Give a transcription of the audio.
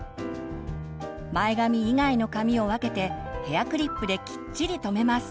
前髪以外の髪を分けてヘアクリップできっちり留めます。